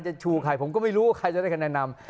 จะชูใครผมก็ไม่รู้ว่าใครจะได้แนะนำ